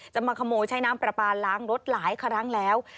มาขโมยใช้น้ำปลาปลาล้างรถหลายครั้งแล้ว